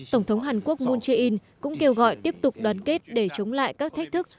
tổng thống hàn quốc moon jae in cũng kêu gọi tiếp tục đoàn kết để chống lại các thách thức